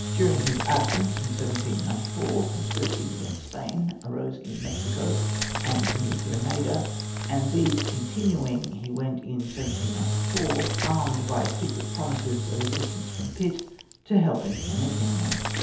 During his absence, in 1794, conspiracies against Spain arose in Mexico and New Granada, and, these continuing, he went in 1794, armed by secret promises of assistance from Pitt, to help in fomenting them.